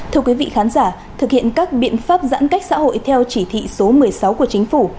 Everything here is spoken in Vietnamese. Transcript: thưa quý vị khán giả thực hiện các biện pháp giãn cách xã hội theo chỉ thị số một mươi sáu của chính phủ